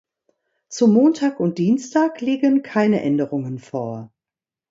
Zu Montag und Dienstag liegen keine Änderungen vor.